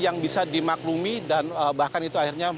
yang bisa dimaklumi dan bahkan itu akhirnya